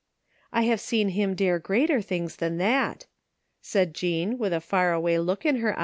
" I have seen him dare greater things than that," said Jean with a far away look in her ey?